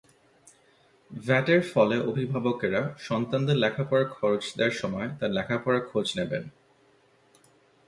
ভ্যাটের ফলে অভিভাবকেরা সন্তানদের লেখাপড়ার খরচ দেওয়ার সময় তার লেখাপড়ার খোঁজ নেবেন।